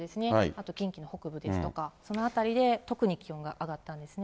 あと近畿の北部ですとか、その辺りで特に気温が上がったんですね。